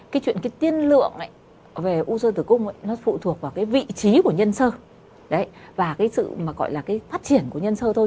cái chuyện tiên lượng về u sơ tử cung nó phụ thuộc vào vị trí của nhân sơ và sự phát triển của nhân sơ thôi